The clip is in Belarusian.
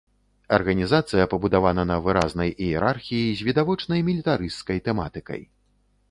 Арганізацыя пабудавана на выразнай іерархіі, з відавочнай мілітарысцкай тэматыкай.